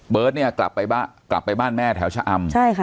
เนี่ยกลับไปบ้านแม่แถวชะอำ